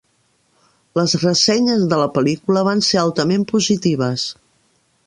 Les ressenyes de la pel·lícula van ser altament positives.